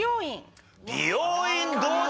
美容院どうだ？